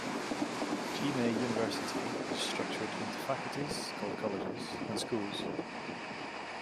Jimei University is structured into faculties called colleges and schools.